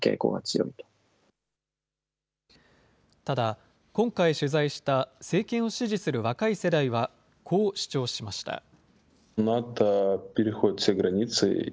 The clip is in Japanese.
ただ、今回取材した政権を支持する若い世代は、こう主張しました。